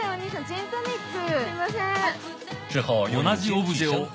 ジントニック。